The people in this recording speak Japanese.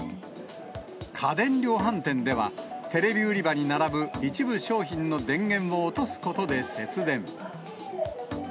家電量販店では、テレビ売り場に並ぶ一部商品の電源を落とすことで節電。